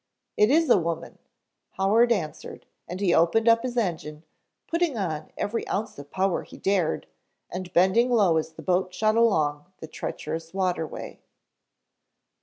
"It is a woman," Howard answered, and he opened up his engine, putting on every ounce of power he dared, and bending low as the boat shot along the treacherous waterway.